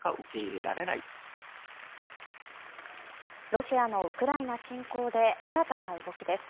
ロシアのウクライナ侵攻で新たな動きです。